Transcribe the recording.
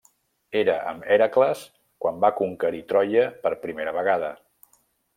Era amb Hèracles quan va conquerir Troia per primera vegada.